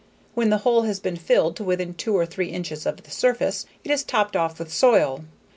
When the hole has been filled to within two or three inches of the surface, it is topped off with soil.